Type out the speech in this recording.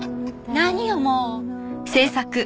何よもう！